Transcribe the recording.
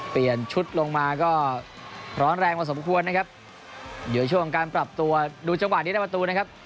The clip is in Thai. เปลี่ยนชุดลงมาก็ร้อนแรงพอสมควรนะครับเดี๋ยวช่วงการปรับตัวดูจังหวะนี้ได้ประตูนะครับ